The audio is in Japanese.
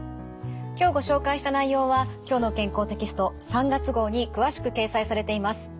今日ご紹介した内容は「きょうの健康」テキスト３月号に詳しく掲載されています。